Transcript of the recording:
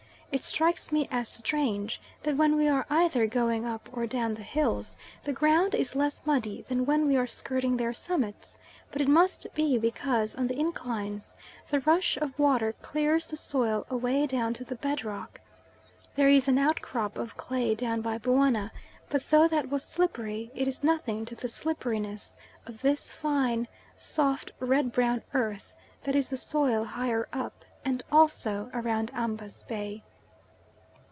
It strikes me as strange that when we are either going up or down the hills, the ground is less muddy than when we are skirting their summits, but it must be because on the inclines the rush of water clears the soil away down to the bed rock. There is an outcrop of clay down by Buana, but though that was slippery, it is nothing to the slipperiness of this fine, soft, red brown earth that is the soil higher up, and also round Ambas Bay.